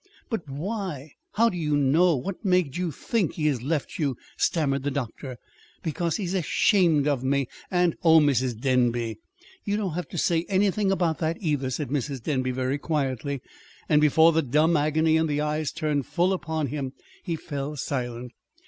"But, why how do you know what made you think he has left you?" stammered the doctor. "Because he's ashamed of me; and " "Oh, Mrs. Denby!" "You don't have to say anything about that, either," said Mrs. Denby very quietly. And before the dumb agony in the eyes turned full upon him, he fell silent.